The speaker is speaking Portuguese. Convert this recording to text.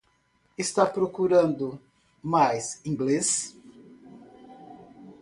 Está procurando mais inglês